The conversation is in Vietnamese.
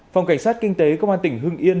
phòng cảnh sát kinh tế công an tỉnh hưng yên